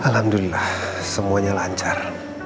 alhamdulillah semuanya lancar